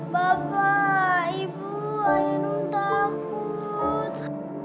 papa ibu ainung takut